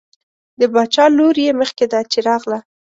د باچا لور یې مخکې ده چې راغله.